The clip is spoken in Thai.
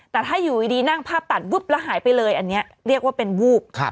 แต่ถ้าอยู่ดีนั่งภาพตัดวึ๊บแล้วหายไปเลยอันนี้เรียกว่าเป็นวูบ